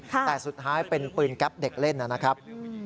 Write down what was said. แต่สุดท้ายเป็นปืนแก๊ปเด็กเล่นนะครับ